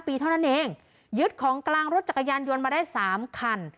ปีเท่านั้นเองยึดของกลางรถจักรยานยนต์มาได้๓คัน